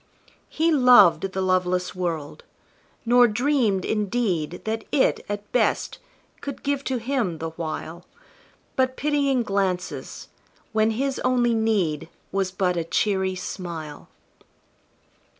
He loved the loveless world, nor dreamed, indeed, That it, at best, could give to him, the while, But pitying glances, when his only need Was but a cheery smile.